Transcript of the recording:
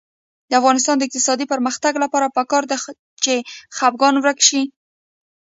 د افغانستان د اقتصادي پرمختګ لپاره پکار ده چې خپګان ورک شي.